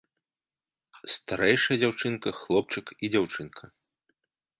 Старэйшая дзяўчынка, хлопчык і дзяўчынка.